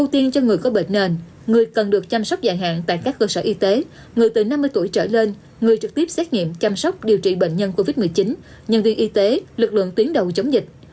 ưu tiên cho người có bệnh nền người cần được chăm sóc dài hạn tại các cơ sở y tế người từ năm mươi tuổi trở lên người trực tiếp xét nghiệm chăm sóc điều trị bệnh nhân covid một mươi chín nhân viên y tế lực lượng tuyến đầu chống dịch